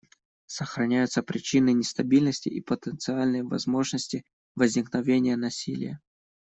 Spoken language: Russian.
Сохраняются причины нестабильности и потенциальные возможности возникновения насилия.